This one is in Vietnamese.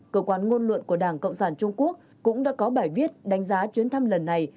cơ quan ngôn luận của đảng cộng sản trung quốc cũng đã có bài viết đánh giá chuyến thăm lần này